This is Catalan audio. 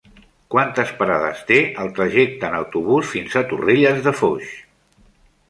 Quantes parades té el trajecte en autobús fins a Torrelles de Foix?